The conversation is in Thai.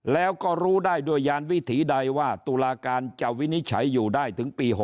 แล้วก็รู้ได้ด้วยยานวิถีใดว่าตุลาการจะวินิจฉัยอยู่ได้ถึงปี๖๐